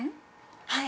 ◆はい。